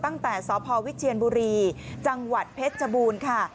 ตั้งแต่สพวิเชียนบุรีจังหวัดเพชรชบูรณ์ค่ะ